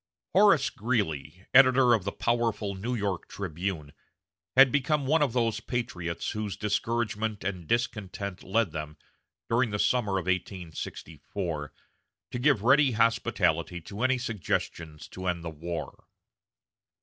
Horace Greeley, editor of the powerful New York "Tribune," had become one of those patriots whose discouragement and discontent led them, during the summer of 1864, to give ready hospitality to any suggestions to end the war.